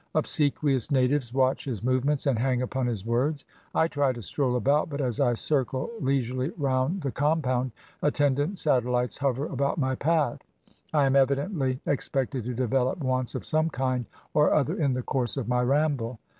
Obsequious natives watch his movements, and hang upon his words. I try to stroll about, but as I circle leisurely round the compoimd, attendant satellites hover about my path. I 227 INDIA am e\adently expected to develop wants of some kind or other in the course of my ramble.